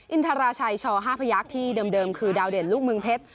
อินทราชัยช๕พยักษ์ที่เดิมคือดาวเด่นลูกเมืองเพชร